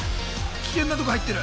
危険なとこ入ってる。